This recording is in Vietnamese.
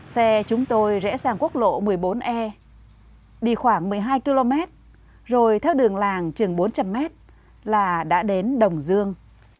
xe chúng tôi rẽ sang quốc lộ một mươi bốn e đi khoảng một mươi hai km rồi theo đường làng chừng bốn trăm linh m là đã đến đồng dương